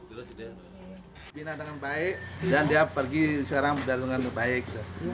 dibina dengan baik dan dia pergi sekarang dengan baik